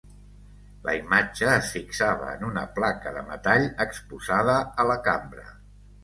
La imatge es fixava en una placa de metall exposada a la cambra.